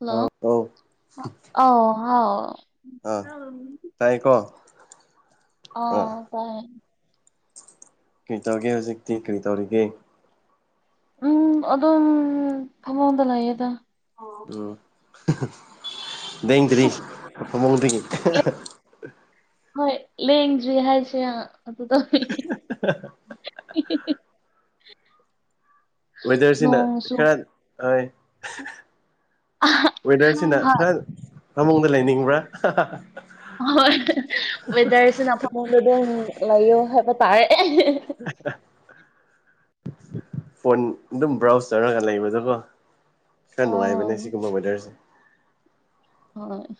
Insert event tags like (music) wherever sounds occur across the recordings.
hello ꯑꯧ ꯑꯧ ꯑꯣ ꯍꯥꯎ ꯑꯥ ꯇꯥꯏꯀꯣ ꯑꯥ ꯑꯣ ꯇꯥꯏꯌꯦ ꯀꯔꯤ ꯇꯧꯔꯤꯒꯦ ꯍꯧꯖꯤꯛꯇꯤ ꯀꯔꯤ ꯇꯧꯔꯤꯒꯦ ꯎꯝ ꯑꯗꯨꯝ ꯐꯃꯨꯡꯗ ꯂꯩꯥꯌꯦꯗ ꯎꯝ ꯂꯦꯡꯗ꯭ꯔꯤ ꯐꯃꯨꯡꯗꯒꯤ ꯍꯣꯏ ꯂꯦꯡꯗ꯭ꯔꯤ ꯍꯥꯏꯁꯦ (unintelligible) (inaudible) ꯋꯦꯗꯔꯁꯤꯅ ꯅꯣꯡꯁꯨ ꯈꯔ ꯍꯣꯏ ꯋꯦꯗꯔꯁꯤꯅ ꯈꯔ ꯐꯃꯨꯡꯗ ꯂꯩꯅꯤꯡꯕ꯭ꯔꯥ ꯑꯣꯏ ꯋꯦꯗꯔꯁꯤꯅ ꯐꯃꯨꯡꯗ ꯑꯗꯨꯝ ꯂꯩꯌꯣ ꯍꯥꯏꯕ ꯇꯥꯏꯌꯦ ꯐꯣꯟ ꯑꯗꯨꯝ ꯕ꯭ꯔꯥꯎꯖ ꯇꯧꯔꯒ ꯂꯩꯕꯗꯨꯀꯣ ꯈꯔ ꯑꯥ ꯅꯨꯡꯉꯥꯏꯕꯅꯦ ꯁꯤꯒꯨꯝꯕ ꯋꯦꯗꯔꯁꯦ ꯍꯣꯏ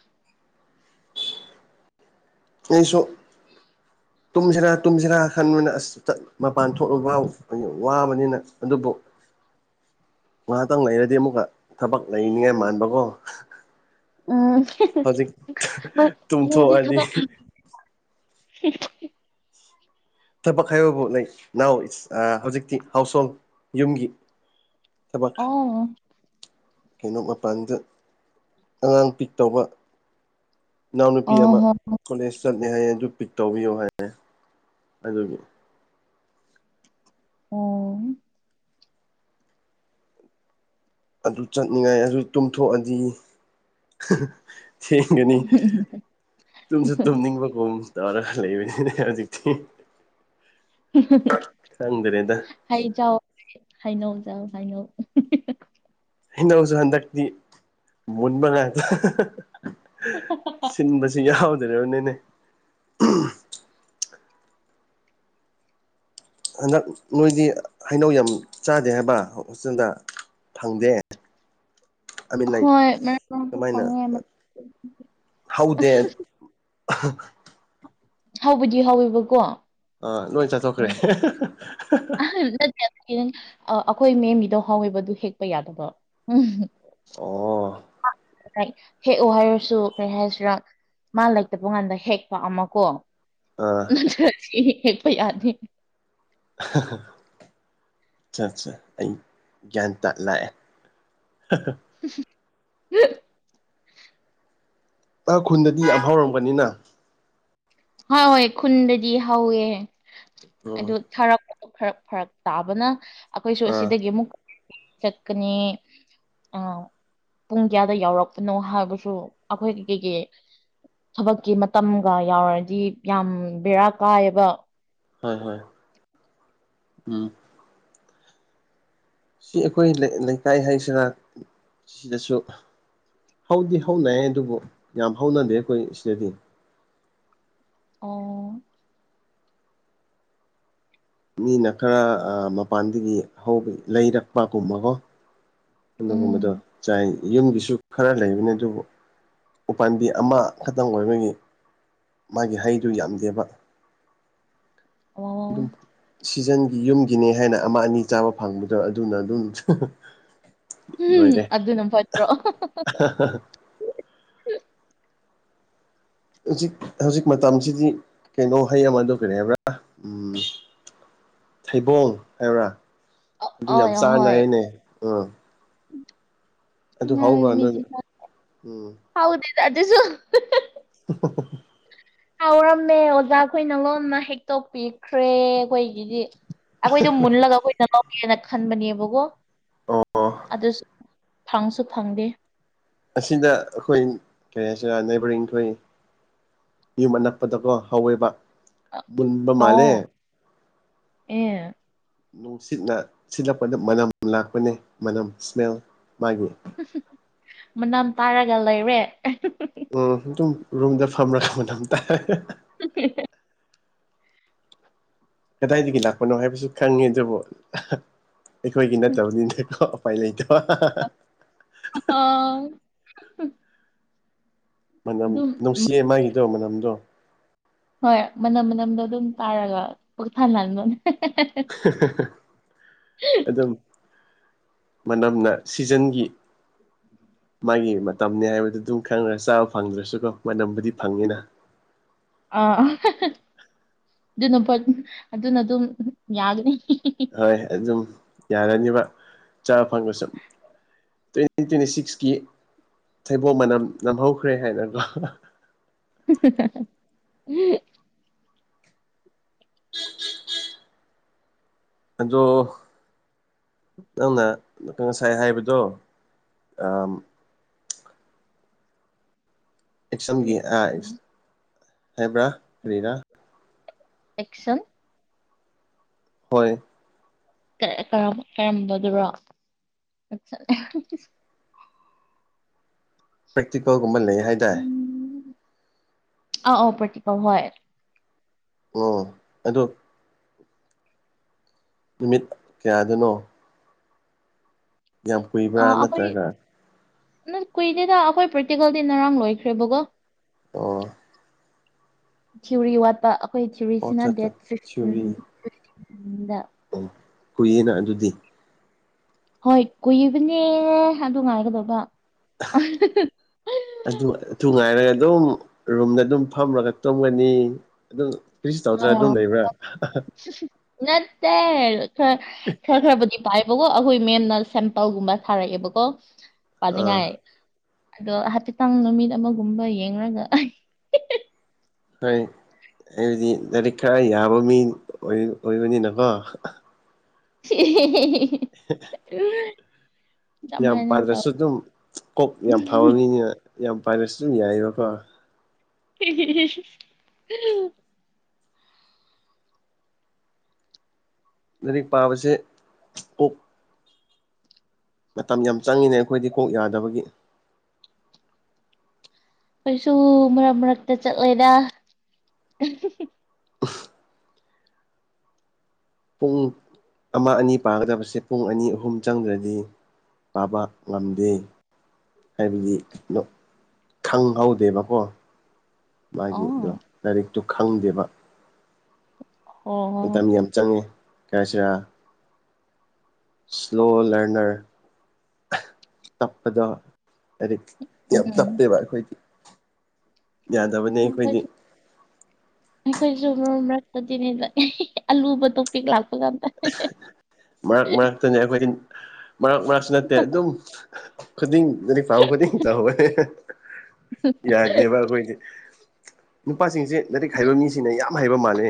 ꯑꯩꯁꯨ ꯇꯨꯝꯁꯤꯔꯥ ꯇꯨꯝꯁꯤꯔꯥ ꯈꯟꯕꯅ ꯑꯁ ꯃꯄꯥꯟ ꯊꯣꯛꯂꯒ ꯋꯥꯕꯅꯤꯅ ꯑꯗꯨꯕꯨ ꯉꯥꯏꯍꯥꯛꯇꯪ ꯂꯩꯔꯗꯤ ꯑꯃꯨꯛꯀ ꯊꯕꯛ ꯂꯩꯅꯤꯉꯥꯏ ꯃꯥꯟꯕꯀꯣ ꯎꯝ ꯍꯧꯖꯤꯛ ꯗꯣ ꯅꯣꯢꯗꯤ ꯇꯨꯝꯊꯣꯛꯑꯗꯤ ꯊꯕꯛ ꯊꯕꯛ ꯍꯥꯏꯕꯕꯨ ꯂꯩ ꯅꯥꯎ ꯍꯧꯖꯤꯛꯇꯤ ꯍꯥꯎꯁ ꯍꯣꯜ ꯌꯨꯝꯒꯤ ꯊꯕꯛ ꯑꯣ ꯀꯩꯅꯣ ꯃꯄꯥꯟꯗ ꯑꯉꯥꯡ ꯄꯤꯛ ꯇꯧꯕ ꯏꯅꯥꯎꯅꯨꯄꯤ ꯑꯣ ꯑꯃ ꯍꯣ ꯀꯣꯂꯦꯖ ꯆꯠꯂꯦ ꯍꯥꯏꯌꯦ ꯑꯗꯨ ꯄꯤꯛ ꯇꯧꯕꯤꯌꯣ ꯍꯥꯏꯌꯦ ꯑꯗꯨꯒꯤ ꯑꯣ ꯑꯗꯨ ꯆꯠꯅꯤꯡꯉꯥꯏ ꯑꯗꯨ ꯇꯨꯝꯊꯣꯛꯑꯗꯤ ꯊꯦꯡꯒꯅꯤ ꯇꯨꯝꯁꯨ ꯇꯨꯝꯅꯤꯡꯕꯒꯨꯝ ꯇꯧꯔ ꯂꯩꯕꯅꯤꯅꯦ ꯍꯧꯖꯤꯛꯇꯤ ꯈꯪꯗ꯭ꯔꯦꯗ ꯍꯩ ꯆꯥꯎ ꯍꯩꯅꯧ ꯆꯥꯎ ꯍꯩꯅꯧ ꯍꯩꯅꯧꯁꯨ ꯍꯟꯗꯛꯇꯤ ꯃꯨꯟꯕ ꯉꯥꯛꯇ ꯁꯤꯟꯕꯁꯨ ꯌꯥꯎꯗ꯭ꯔꯕꯅꯤꯅꯦ ꯍꯟꯗꯛ ꯅꯣꯏꯗꯤ ꯍꯩꯅꯧ ꯌꯥꯝ ꯆꯥꯗꯦ ꯍꯥꯏꯕ ꯍꯣꯁꯇꯦꯜꯗ ꯐꯪꯗꯦ ꯍꯣꯏ ꯃꯔꯛ (unintelligible) ꯃꯔꯛꯇ ꯀꯃꯥꯏꯅ ꯐꯪꯉꯦ ꯍꯧꯗꯦ (unintelligible) ꯍꯥꯎꯧꯕꯗꯤ ꯍꯧꯋꯦꯕꯀꯣ ꯑꯥ ꯂꯣꯏ ꯆꯠꯊꯣꯛꯈ꯭ꯔꯦ ꯎꯝ ꯑ ꯅꯠꯇꯦꯈꯤꯪ ꯑꯩꯈꯣꯏ ꯃꯦꯝꯒꯤꯗꯣ ꯍꯥꯎꯋꯑꯦꯕꯗꯨ ꯍꯦꯛꯄ ꯌꯥꯗꯕ ꯎꯝ ꯑꯣ ꯍꯦꯛꯑꯣ ꯍꯥꯏꯔꯁꯨ ꯀꯔꯤ ꯍꯥꯏꯁꯤꯔꯥ ꯃꯥ ꯂꯩꯇꯕ ꯀꯥꯟꯗ ꯍꯦꯛꯄ ꯑꯃ ꯀꯣ ꯑ ꯅꯁꯤ ꯍꯦꯛꯄ ꯌꯥꯗꯅꯤ (unintelligible) (unintelligible) ꯑꯩ ꯒꯌ꯭ꯥꯟ ꯇꯥ ꯂꯥꯛ ꯑꯦ ꯎ (unintelligible) ꯑ ꯈꯨꯟꯗꯗꯤ ꯌꯥꯝ ꯍꯧꯥꯎꯔꯝꯒꯅꯤꯅ ꯍꯣꯏ ꯍꯣꯏ ꯈꯨꯟꯗꯗꯤ ꯍꯧꯋꯦ ꯎꯝ ꯑꯗꯨ ꯊꯥꯔꯛꯄ ꯐꯔꯛ ꯐꯔꯛ ꯇꯥꯕꯅ ꯑꯩꯈꯣꯏꯁꯨ ꯑꯥ ꯑꯁꯤꯗꯒꯤ ꯑꯃꯨꯛ ꯆꯠꯀꯅꯤ ꯑꯥ ꯄꯨꯡ ꯀꯌꯥꯗ ꯌꯥꯎꯔꯛꯄꯅꯣ ꯍꯥꯏꯕꯁꯨ ꯑꯩꯈꯣꯏꯒꯤ ꯊꯕꯛꯀꯤ ꯃꯇꯝꯒ ꯌꯥꯎꯔꯗꯤ ꯌꯥꯝ ꯕꯦꯔꯥ ꯀꯥꯏꯑꯕ ꯍꯣꯏ ꯍꯣꯏ ꯎꯝ ꯁꯤ ꯑꯩꯈꯣꯏ ꯂꯩꯀꯥꯏ ꯍꯥꯏꯁꯤꯔꯥ ꯁꯤꯗꯁꯨ ꯍꯧꯗꯤ ꯍꯧꯅꯩ ꯑꯗꯨꯕꯨ ꯌꯥꯝ ꯍꯧꯅꯗꯦ ꯑꯩꯈꯣꯏ ꯁꯤꯗꯗꯤ ꯑꯣ ꯃꯤꯅ ꯈꯔ ꯃꯄꯥꯟꯗꯒꯤ ꯍꯧꯕ ꯂꯩꯔꯛꯄꯒꯨꯝꯕꯒꯣ (unintelligible) ꯎꯝ ꯒꯨꯝꯕꯗꯣ ꯆꯥꯏ ꯌꯨꯝꯒꯤꯁꯨ ꯈꯔ ꯂꯩꯕꯅꯤ ꯑꯗꯨꯕꯨ ꯎꯄꯥꯝꯕꯤ ꯑꯃꯈꯛꯇꯪ ꯑꯣꯏꯕꯒꯤ ꯃꯥꯒꯤ ꯍꯗꯨ ꯌꯥꯝꯗꯦꯕ ꯑꯗꯨꯝ ꯑꯣ ꯁꯤꯖꯟꯒꯤ ꯌꯨꯝꯒꯤꯅꯦ ꯍꯥꯏꯅ ꯑꯃ ꯑꯅꯤ ꯆꯥꯕ ꯐꯪꯕꯗꯣ ꯑꯗꯨꯅ ꯑꯗꯨꯝ ꯎꯝ ꯂꯣꯏꯔꯦ ꯑꯗꯨ ꯅ ꯐꯠꯇ꯭ꯔꯣ (unintelligible) ꯍꯧꯖꯤꯛ ꯍꯧꯖꯤꯛ ꯃꯇꯝꯁꯤꯗꯤ ꯀꯩꯅꯣ ꯍꯩ ꯑꯃꯗꯨ ꯀꯔꯤ ꯍꯥꯏꯕ꯭ꯔꯥ ꯎꯝ ꯊꯩꯕꯣꯡ ꯍꯥꯏꯕ꯭ꯔꯥ ꯑꯗꯨ ꯌꯥꯝ ꯍꯣꯏ ꯍꯣꯏ ꯆꯥꯟꯅꯏꯅꯦ ꯎꯝ ꯑꯗꯨ ꯍꯧꯕ꯭ꯔꯥ ꯅꯣꯏ ꯃꯤꯗꯤ (unintelligible) ꯎꯝ ꯍꯧꯗꯦꯗꯥ ꯑꯗꯨꯁꯨ (unintelligible) ꯍꯥꯎꯔꯝꯃꯦ ꯑꯣꯖꯥ ꯈꯣꯏꯅ ꯂꯣꯟꯅ ꯍꯦꯛꯇꯣꯛꯄꯤꯈ꯭ꯔꯦ ꯑꯩꯈꯣꯏꯒꯤꯗꯤ ꯑꯩꯈꯣꯏꯗꯣ ꯃꯨꯜꯂꯒ ꯑꯩꯈꯣꯏꯅ ꯂꯧꯒꯦꯅ ꯈꯟꯕꯅꯦꯕꯀꯣ ꯑꯣ ꯑꯗꯨꯁꯨ ꯐꯪꯁꯨ ꯐꯪꯗꯦ ꯑꯁꯤꯗ ꯑꯩꯈꯣꯏ ꯀꯔꯤ ꯍꯥꯏꯁꯤꯔ ꯅꯦꯕꯔꯤꯡꯈꯣꯏ ꯌꯨꯝ ꯑꯅꯛꯄꯗꯀꯣ ꯍꯧꯋꯦꯕ ꯃꯟꯕ ꯃꯥꯂꯦ ꯑꯥꯎ ꯑꯦ ꯅꯨꯡꯁꯤꯠꯅ ꯁꯤꯠꯂꯛꯄꯗ ꯃꯅꯝ ꯂꯥꯛꯄꯅꯤ ꯃꯅꯝ ꯏꯁꯃꯦꯜ ꯃꯥꯒꯤ ꯃꯅꯝ ꯇꯥꯔꯒ ꯂꯩꯔꯦ ꯎꯝ ꯑꯗꯨꯝ ꯔꯨꯝꯗ ꯐꯝꯔꯒ ꯃꯅꯝ ꯇꯥꯏꯌꯦ (unintelligible) ꯀꯗꯥꯏꯗꯒꯤ ꯂꯥꯛꯄꯅꯣ ꯍꯥꯏꯕꯁꯨ ꯈꯪꯉꯦ ꯑꯗꯨꯕꯨ ꯑꯩꯈꯣꯏꯒꯤ ꯅꯠꯇꯕꯅꯤꯅꯦꯀꯣ ꯄꯥꯏ ꯂꯩꯇ ꯑꯣꯥꯎ ꯃꯅꯝ ꯃ- ꯅꯨꯡꯁꯤꯌꯦ ꯃꯥꯒꯤꯗꯣ ꯃꯅꯝꯗꯣ ꯍꯣꯏ ꯃꯅꯝ ꯃꯅꯝꯗꯣ ꯑꯗꯨꯝ ꯇꯥꯔꯒ ꯄꯨꯛ ꯊꯜꯍꯟꯕꯅꯦ (inaudible) ꯑꯗꯨꯝ ꯃꯅꯝꯅ ꯁꯤꯖꯟꯒꯤ ꯃꯥꯒꯤ ꯃꯇꯝꯅꯦ ꯍꯥꯏꯕꯗꯨ ꯗꯨꯝ ꯈꯪꯔꯦ ꯆꯥꯕ ꯐꯪꯗ꯭ꯔꯁꯨꯀꯣ ꯃꯅꯝꯕꯨꯗꯤ ꯐꯪꯉꯤꯅ ꯑꯥ ꯑꯗꯨꯅ ꯐꯠ ꯑꯗꯨꯅ ꯑꯗꯨꯝ ꯌꯥꯒꯅꯤ ꯍꯣꯏ ꯑꯗꯨꯝ ꯌꯥꯔꯅꯤꯕ ꯆꯥꯕ ꯐꯪꯗꯔ꯭ꯁꯨ ꯇ꯭ꯋꯦꯟ ꯇ꯭ꯋꯦꯟꯇꯤ ꯁꯤꯛꯁꯀꯤ ꯊꯩꯕꯣꯡ ꯃꯅꯝ ꯅꯝꯍꯧꯈ꯭ꯔꯦ ꯍꯥꯏꯅꯒꯣ (inaudible) ꯑꯗꯣ ꯅꯪꯅ ꯉꯁꯥꯏ ꯍꯥꯏꯕꯗꯣ ꯑꯥꯝ ꯑꯦꯛꯁꯝꯒꯤ ꯑꯥꯏ ꯍꯥꯏꯕ꯭ꯔꯥ ꯀꯔꯤꯔꯥ ꯑꯦꯛꯁꯟ ꯍꯣꯏ ꯀ ꯀꯔꯝ ꯀꯔꯝꯕꯗꯨꯔꯣ ꯄ꯭ꯔꯦꯛꯇꯤꯀꯜꯒꯨꯝꯕ ꯂꯩ ꯍꯥꯏꯗꯥꯏ ꯑ ꯑꯧ ꯄꯔ꯭ꯦꯛꯇꯤꯀꯜ ꯍꯣꯏ ꯑꯣ ꯑꯗꯨ ꯅꯨꯃꯤꯠ ꯀꯌꯥꯗꯅꯣ ꯌꯥꯝ ꯀꯨꯏꯕ꯭ꯔꯥ ꯑꯥ ꯑꯩꯈꯣꯏ ꯅꯠꯇ꯭ꯔꯒ ꯅ ꯀꯨꯏꯗꯦꯗ ꯑꯈꯣꯏ ꯄ꯭ꯔꯦꯛꯇꯤꯀꯜꯗꯤ ꯅꯔꯥꯡ ꯂꯣꯏꯈ꯭ꯔꯦꯕꯒꯣ ꯑꯣ ꯊꯤꯎꯔꯤ ꯋꯥꯠꯄ ꯑꯈꯣꯏ ꯑꯣ ꯊꯤꯎꯔꯤꯁꯤꯅ ꯑꯠꯆꯥ ꯗꯦꯠ ꯑꯠꯆꯥ ꯐꯤꯐꯇꯤꯟ ꯐꯤꯐꯇꯤ ꯗ ꯑꯣ ꯀꯨꯏꯌꯦꯅ ꯑꯗꯨꯗꯤ ꯍꯣꯏ ꯀꯨꯏꯕꯅꯦ ꯑꯗꯨ ꯉꯥꯏꯒꯗꯣꯕ ꯑꯗꯨ ꯑꯊꯨ ꯉꯥꯏꯔꯒ ꯑꯗꯨꯝ ꯔꯨꯝꯗ ꯑꯗꯨꯝ ꯐꯝꯔꯒ ꯇꯨꯝꯒꯅꯤ ꯑꯗꯨꯝ ꯀ꯭ꯔꯤꯁ ꯇꯧꯗ꯭ꯔꯥ ꯑ ꯑꯗꯨꯝ ꯂꯩꯕ꯭ꯔꯥ ꯅꯠꯇꯦ ꯈꯔ ꯈꯔ ꯈꯔꯕꯨꯗꯤ ꯄꯥꯏꯌꯦꯕꯒꯣ ꯑꯈꯣꯏ ꯃꯦꯝꯅ ꯁꯦꯝꯄꯜꯒꯨꯝꯕ ꯊꯥꯔꯛꯑꯦꯕꯀꯣ ꯑꯥ ꯄꯥꯅꯤꯡꯉꯥꯏ ꯑꯗꯣ ꯍꯥꯏꯐꯦꯠꯇꯥꯡ ꯅꯨꯃꯤꯠ ꯑꯃꯒꯨꯝꯕ ꯌꯦꯡꯔꯒ ꯍꯣꯏ ꯑꯩꯕꯗꯤ ꯂꯥꯏꯔꯤꯛ ꯈꯔ ꯌꯥꯕ ꯃꯤ ꯑꯣꯏ ꯑꯣꯏꯕꯅꯤꯅꯀꯣ (inaudible) (inaudible) (inaudible) ꯌꯥꯝ ꯑꯗꯨꯃꯥꯏꯅ ꯇꯧ ꯄꯥꯗ꯭ꯔꯁꯨ ꯗꯨꯝ ꯀꯣꯛ ꯌꯥꯝ ꯐꯕ ꯃꯤꯅꯤꯅ ꯌꯥꯝ ꯄꯥꯗ꯭ꯔꯁꯨ ꯗꯨꯝ ꯌꯥꯏꯌꯦꯕꯀꯣ (inaudible) ꯂꯔꯤꯛ ꯄꯥꯕꯁꯦ ꯀꯣꯛ ꯃꯇꯝ ꯌꯥꯝ ꯆꯪꯉꯤꯅꯦ ꯑꯩꯈꯣꯏꯗꯤ ꯀꯣꯛ ꯌꯥꯗꯕꯒꯤ ꯈꯣꯏꯁꯨ ꯃꯔꯛ ꯃꯔꯛꯇ ꯆꯠꯂꯦꯗꯥ ꯄꯨꯡ ꯑꯃ ꯑꯅꯤ ꯄꯥꯒꯗꯕꯁꯦ ꯄꯨꯡ ꯑꯅꯤ ꯑꯍꯨꯝ ꯆꯪꯗ꯭ꯔꯗꯤ ꯄꯥꯕ ꯉꯝꯗꯦ ꯍꯥꯏꯕꯗꯤ ꯅꯣ ꯈꯪꯍꯧꯗꯦꯕꯀꯣ ꯃꯥꯒꯤꯗꯣ ꯑꯣ ꯂꯥꯏꯔꯤꯛꯇꯣ ꯈꯪꯗꯦꯕ ꯑꯣ ꯃꯇꯝ ꯌꯥꯝ ꯆꯪꯉꯦ ꯀꯩ ꯍꯥꯏꯁꯤꯔꯥ ꯏꯁꯂꯣ ꯂꯔꯅꯔ ꯇꯞꯄꯗꯣ ꯍꯥꯏ ꯌꯥꯝ ꯎꯝ ꯇꯞꯇꯦꯕ ꯑꯩꯈꯣꯏꯗꯤ ꯌꯥꯗꯕꯅꯤ ꯑꯩꯈꯣꯏꯗꯤ ꯑꯩꯈꯣꯏꯁꯨ ꯑꯩꯈꯣꯏꯁꯨ ꯃꯔꯨꯝ ꯃꯔꯛꯇꯗꯤꯅꯦ ꯑꯂꯨꯕ ꯇꯣ ꯄꯦꯛꯛ ꯂꯥꯛꯄ ꯀꯇ ꯃꯔꯛ ꯃꯔꯛꯇꯅꯦ ꯑꯩꯈꯣꯏꯗꯤ ꯃꯔꯛ ꯃꯔꯛꯁꯨ ꯅꯠꯇꯦ ꯑꯗꯨꯝ (unintelligible) ꯌꯥꯗꯦꯕ ꯑꯩꯈꯣꯏꯗꯤ ꯅꯨꯄꯥꯁꯤꯡꯁꯦ ꯂꯥꯏꯔꯤꯛ ꯍꯩꯕ ꯃꯤꯁꯤꯡꯅ ꯌꯥꯝ ꯍꯩꯕ ꯃꯥꯜꯂꯦ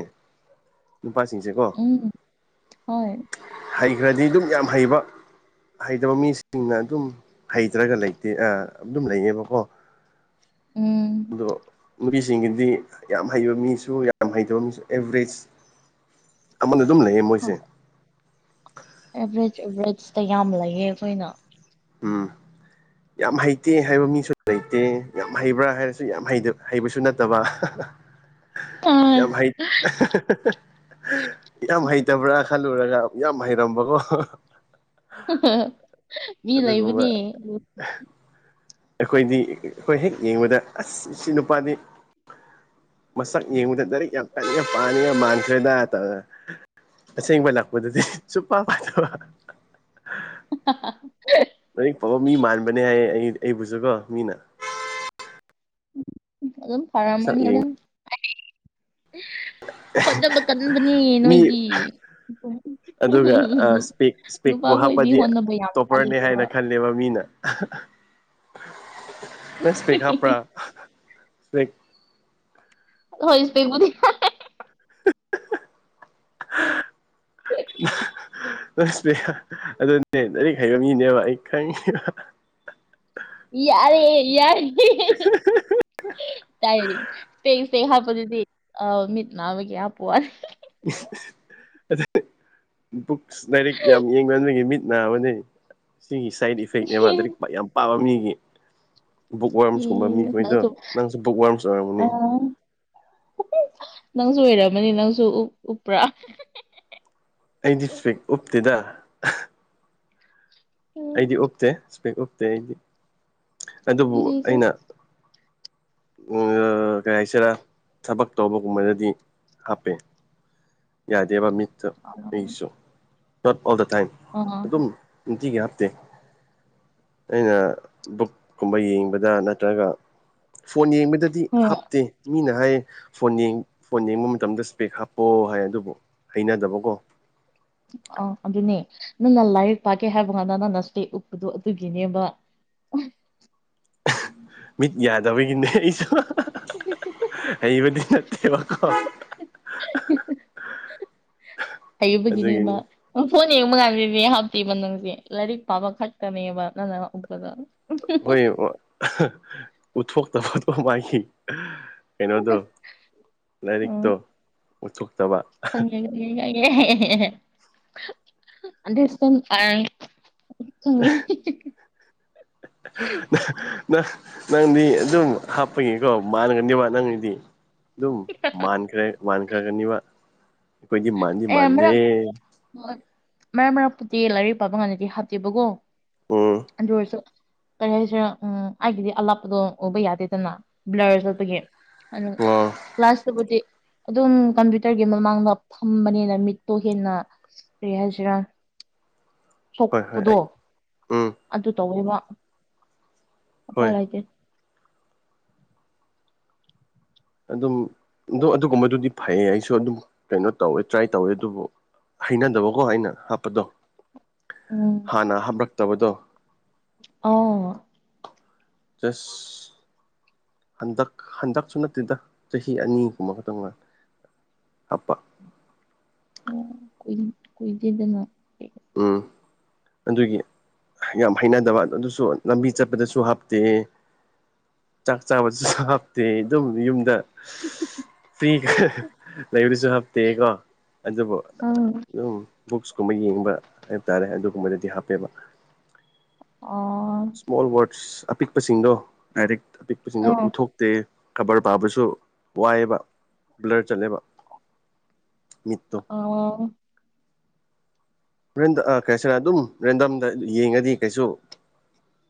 ꯅꯨꯄꯥꯁꯤꯡꯁꯦꯀꯣ ꯎꯝ ꯍꯣꯏ ꯍꯩꯈ꯭ꯔꯗꯤ ꯑꯗꯨꯝ ꯌꯥꯝ ꯍꯩꯕ ꯍꯩꯇꯕ ꯃꯤꯁꯤꯡꯅ ꯑꯗꯨꯝ ꯍꯩꯇ꯭ꯔꯒ ꯂꯩꯇꯦ ꯑꯗꯨꯝ ꯂꯩꯌꯦꯕꯀꯣ ꯎꯝ ꯑꯗꯣ ꯅꯨꯄꯤꯁꯤꯡꯒꯤꯗꯤ ꯌꯥꯝ ꯍꯩꯕ ꯃꯤꯁꯨ ꯌꯥꯝ ꯍꯩꯇꯕ ꯃꯤꯁꯨ ꯑꯦꯕꯔꯦꯖ ꯑꯃꯅ ꯑꯗꯨꯝ ꯂꯩꯌꯦ ꯃꯣꯏꯁꯦ ꯑꯦꯚꯔꯦꯖ ꯑꯦꯚꯔꯦꯖꯇ ꯌꯥꯝ ꯂꯩꯌꯦ ꯑꯩꯈꯣꯏꯅ ꯎꯝ ꯌꯥꯝ ꯍꯩꯇꯦ ꯍꯥꯏꯕ ꯃꯤꯁꯨ ꯂꯩꯇꯦ ꯌꯥꯝ ꯍꯩꯕ꯭ꯔꯥ ꯍꯥꯏꯔꯁꯨ ꯌꯥꯝ ꯍꯩꯕꯁꯨ ꯅꯠꯇꯕ (inaudible) ꯌꯥꯝ ꯍ ꯌꯥꯝ ꯍꯩꯇꯕ꯭ꯔꯥ ꯈꯜꯂꯨꯔꯒ ꯌꯥꯝ ꯍꯩꯔꯝꯕꯀꯣ ꯃꯤ ꯑꯗꯨꯒꯨꯝꯕ ꯂꯩꯕꯅꯤ ꯑꯩꯈꯣꯏꯗꯤ ꯑꯩꯈꯣꯏ ꯍꯦꯛ ꯌꯦꯡꯕꯗ ꯑꯁ ꯁꯤ ꯅꯨꯄꯥꯗꯤ (unintelligible) ꯑꯁꯦꯡꯕ ꯂꯥꯛꯄꯗꯨꯗꯤ ꯁꯨꯞꯄ ꯄꯥꯗꯕ (unintelligible) ꯂꯥꯏꯔꯤꯛ ꯐꯥꯎꯕ ꯃꯤ ꯃꯥꯟꯕꯅꯦ ꯍꯥꯏꯌꯦ ꯑꯩ ꯑꯩꯕꯨꯁꯨꯀꯣ ꯃꯤꯅ ꯑꯗꯨ ꯑꯗꯨꯝ ꯁꯛ ꯐꯔꯃꯅꯤ ꯌꯦꯡ ꯍꯣꯠꯅꯕ ꯀꯟꯕꯅꯤ ꯃꯤ ꯅꯣꯏꯗꯤ ꯑꯗꯨꯒ ꯏꯁꯄꯦꯛ ꯏꯁꯄꯦꯛꯄꯨ ꯅꯨꯄꯥꯈꯣꯏꯗꯤ ꯍꯥꯞꯄꯗꯤ ꯍꯣꯠꯅꯕ ꯌꯥꯝ ꯇꯣꯞꯄꯔꯅꯦ ꯀꯟꯂꯤꯑꯦꯕ (unintelligible) (unintelligible) (unintelligible) (unintelligible) ꯑꯗꯨꯅꯦ ꯂꯥꯏꯔꯤꯛ ꯍꯩꯕ ꯃꯤꯅꯦꯕ ꯑꯩ ꯈꯪꯉꯤꯕ ꯌꯥꯔꯦ ꯌꯥꯔꯦ ꯏꯁꯄꯦꯛ ꯍꯥꯞꯄꯗꯨꯗꯤ ꯑ ꯃꯤꯠ ꯅꯥꯕꯒꯤ ꯍꯥꯞꯄꯨ (unintelligible) ꯕꯨꯛꯁ ꯂꯥꯏꯔꯤꯛ ꯌꯥꯝ ꯌꯦꯡꯕꯅꯕꯒꯤ ꯃꯤꯠ ꯅꯥꯕꯅꯤ ꯁꯤꯒꯤ ꯁꯥꯏꯠ ꯏꯐꯦꯛꯅꯦꯕ ꯂꯥꯏꯔꯤꯛ ꯌꯥꯝ ꯄꯥꯕ ꯃꯤꯒꯤ ꯕꯨꯛ ꯋꯥꯔꯝꯁꯀꯨꯝꯕ ꯃꯤꯈꯣꯏꯗꯣ ꯅꯪꯁꯨ ꯕꯨꯛ ꯋꯥꯔꯝꯁ ꯑꯣꯏꯔꯝꯒꯅꯤ ꯑꯣ ꯅꯪꯁꯨ ꯑꯣꯏꯔꯝꯃꯅꯤ ꯅꯪꯁꯨ ꯎꯞꯄ꯭ꯔꯥ ꯑꯩꯗꯤ ꯏꯁꯄꯦꯛ ꯎꯞꯇꯦꯗ ꯎꯝ, ꯑꯩꯗꯤ ꯎꯞꯇꯦ ꯏꯁꯄꯦꯛ ꯎꯞꯇꯦ ꯑꯩꯗꯤ ꯑꯗꯨꯕꯨ ꯏꯆꯦꯁꯦ ꯑꯩꯅ ꯀꯩ ꯍꯥꯏꯁꯤꯔꯥ ꯊꯕꯛ ꯇꯧꯕꯒꯨꯝꯕꯗꯗꯤ ꯍꯥꯞꯄꯦ ꯌꯥꯗꯦꯕ ꯃꯤꯠꯇ ꯑꯥ ꯑꯩꯒꯤꯁꯨ ꯅꯣꯠ ꯑꯣꯜ ꯗ ꯇꯥꯏꯝ ꯑꯗꯨꯝ ꯅꯨꯡꯇꯤꯒꯤ ꯍꯥꯞꯇꯦ ꯑꯩꯅ ꯕꯨꯛ ꯀꯨꯝꯕ ꯌꯦꯡꯕꯗ ꯅꯠꯇ꯭ꯔꯒ ꯐꯣꯟ ꯌꯦꯡꯕꯗꯗꯤ ꯍꯣꯏ ꯍꯥꯞꯇꯦ ꯃꯤꯅ ꯍꯥꯏ ꯐꯣꯟ ꯐꯣꯟ ꯌꯦꯡꯕ ꯃꯇꯝꯗ ꯏꯁ꯭ꯄꯦꯛ ꯍꯥꯞꯄꯑꯣ ꯍꯥꯏ ꯑꯗꯨꯕꯨ ꯍꯩꯅꯗꯕꯀꯣ ꯑꯥ ꯑꯗꯨꯅꯦ ꯅꯪꯅ ꯂꯥꯏꯔꯤꯛ ꯄꯥꯀꯦ ꯍꯥꯏꯕ ꯉꯥꯟꯗ ꯅꯪꯅ ꯏꯁꯇꯦꯛ ꯎꯞꯄꯗꯣ ꯑꯗꯨꯒꯤꯅꯦꯕ ꯃꯤꯠ ꯌꯥꯗꯕꯒꯤꯅꯦ ꯑꯩꯁꯨ ꯍꯩꯕꯗꯤ ꯅꯠꯇꯦꯕꯀꯣ ꯍꯩꯕꯒꯤꯅꯤꯃꯥ ꯑꯗꯨꯒꯤꯅꯤ ꯐꯣꯟ ꯌꯦꯡꯕ ꯀꯥꯟꯗꯗꯤ ꯍꯥꯞꯇꯦꯕ ꯅꯪꯁꯦ ꯂꯥꯏꯔꯤꯛ ꯄꯥꯕ ꯈꯛꯇꯅꯦꯕ ꯅꯪꯅ ꯎꯞꯄꯗꯣ ꯍꯣꯏ ꯎꯠꯊꯣꯛ (unintelligible) ꯀꯩꯅꯣꯗꯣ ꯂꯥꯏꯔꯤꯛꯇꯣ ꯎꯠꯊꯣꯛꯇꯕ (unintelligible) ꯑ (unintelligible) ꯈꯪꯉ (inaudible) ꯅꯪ ꯅꯪꯗꯤ ꯑꯗꯨꯝ ꯍꯥꯞꯄꯅꯤꯀꯣ ꯃꯥꯟꯅꯒꯅꯦꯕ ꯅꯪꯒꯤꯗꯤ ꯑꯗꯨꯝ ꯃꯥꯟꯈ꯭ꯔ ꯃꯥꯟꯈ꯭ꯔꯒꯅꯤꯕ ꯑꯩꯈꯣꯏꯗꯤ ꯃꯥꯟꯗꯤ ꯃꯥꯟꯗꯦ ꯍꯣꯏꯣꯏ ꯃꯔꯛ ꯃꯔꯛꯄꯨꯗꯤ ꯂꯥꯏꯔꯤꯛ ꯄꯥꯕ ꯉꯥꯟꯗꯗꯤ ꯍꯥꯞꯇꯦꯕꯀꯣ ꯎꯝ ꯑꯗꯨ ꯑꯣꯏꯔꯁꯨ ꯀꯔꯤ ꯍꯥꯏꯁꯤꯔꯦ ꯎꯝ ꯑꯩꯒꯤꯗꯤ ꯑꯂꯥꯞꯄꯗꯣ ꯎꯕ ꯌꯥꯗꯦꯗꯅ ꯕ꯭ꯂꯔ ꯆꯠꯄꯒꯤ ꯑꯗꯨ ꯑꯣ ꯀ꯭ꯂꯥꯁꯇꯕꯨꯗꯤ ꯑꯗꯨꯝ ꯀꯝꯄ꯭ꯌꯨꯇꯔꯒꯤ ꯃꯃꯥꯡꯗ ꯐꯝꯕꯅꯤꯅ ꯃꯤꯠꯇꯣ ꯍꯦꯟꯅ ꯀꯔꯤ ꯍꯥꯏꯁꯤꯔꯥ ꯍꯣꯏ ꯍꯣꯏ ꯁꯣꯛꯄꯗꯣ ꯑꯩ ꯎꯝ ꯑꯗꯨ ꯇꯧꯋꯦꯕ ꯍꯣꯏ ꯎꯄꯥꯏꯂꯩꯗꯦ ꯑꯗꯨꯝ ꯑꯗꯨꯣ ꯑꯗꯨꯒꯨꯝꯕꯗꯨꯗꯤ ꯐꯩꯌꯦ ꯑꯩꯁꯨ ꯑꯗꯨꯝ ꯀꯩꯅꯣ ꯇꯧꯋꯦ ꯇ꯭ꯔꯥꯏ ꯇꯧꯋꯦ ꯑꯗꯨꯕꯨ ꯍꯩꯅꯗꯕꯀꯣ ꯑꯩꯅ ꯍꯥꯞꯄꯗꯣ ꯎꯝ ꯍꯥꯟꯅ ꯍꯥꯞꯔꯛꯇꯕꯗꯣ ꯑꯥ ꯆꯁ ꯍꯟꯗꯛ ꯍꯟꯗꯛꯁꯨ ꯅꯠꯇꯦꯗ ꯆꯍꯤ ꯑꯅꯤꯒꯨꯝꯕ ꯈꯛꯇꯪ ꯉꯥꯟ ꯍꯥꯞꯄ ꯑꯣ ꯀꯨꯏ ꯀꯨꯏꯗꯦꯗꯅ ꯎꯝ ꯑꯗꯨꯒꯤ ꯌꯥꯝ ꯍꯩꯅꯗꯕ ꯑꯗꯨ ꯑꯗꯨꯁꯨ ꯂꯝꯕꯤ ꯆꯠꯄꯗꯁꯨ ꯍꯥꯞꯇꯦ ꯆꯥꯛ ꯆꯥꯕꯁꯨ ꯍꯥꯞꯇꯦ ꯑꯗꯨꯝ ꯌꯨꯝꯗ ꯐ꯭ꯔꯤ ꯂꯩꯕꯁꯨ ꯍꯥꯞꯇꯦ ꯀꯣ ꯑꯗꯨꯕꯨ ꯑꯥ ꯑꯗꯨꯝ ꯕꯨꯛꯁꯀꯨꯝꯕ ꯌꯦꯡꯕ ꯍꯥꯏꯕ ꯇꯥꯔꯦ ꯑꯗꯨꯒꯨꯝꯕꯗꯗꯤ ꯍꯥꯞꯄꯦꯕ ꯑꯣ ꯏꯁ꯭ꯃꯣꯜ ꯋꯥꯋꯔꯗꯁ ꯑꯄꯤꯛꯄꯁꯤꯡꯗꯣ ꯗꯥꯏꯔꯦꯛ ꯑꯄꯤꯛꯄꯁꯤꯡꯗꯣ ꯎꯠꯊꯣꯛ ꯇꯦ ꯈꯕꯔ ꯄꯥꯕꯁꯨ ꯋꯥꯏꯑꯦꯕ ꯕ꯭ꯂꯔ ꯆꯠꯂꯦꯕ ꯃꯤꯠꯇꯣ ꯑꯣ ꯀꯩꯁꯤꯔ ꯑꯗꯨꯝ ꯔꯦꯟꯗꯝꯗ ꯌꯦꯡꯉꯗꯤ ꯀꯩꯁꯨ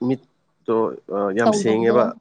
ꯃꯤꯠ ꯇꯣ ꯌꯥꯝ ꯇꯧꯗꯕꯗꯣ ꯁꯦꯡꯉꯦꯕ